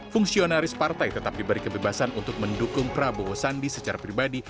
fungsionaris partai tetap diberi kebebasan untuk mendukung prabowo sandi secara pribadi